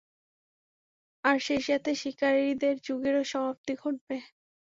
আর সেইসাথে শিকারীদের যুগেরও সমাপ্তি ঘটবে।